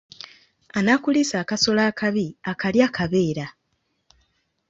Anaakuliisa akasolo akabi, akalya akabeera.